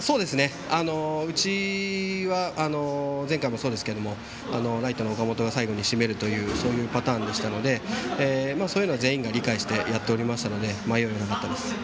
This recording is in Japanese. うちは前回もそうですけどもライトの岡本が最後に締めるというパターンでしたのでそういうのを全員が理解してやっていましたので迷いはなかったです。